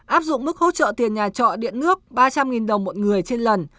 áp dụng mức hỗ trợ tiền nhà trọ điện nước ba trăm linh đồng một người trên lần